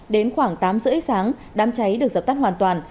đến khoảng tám giờ sáng đám cháy được dập tắt hoàn toàn